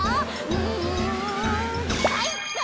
うんかいか！